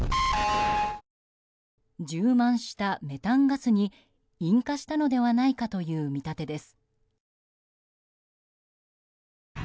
充満したメタンガスに引火したのではないかという見立てです。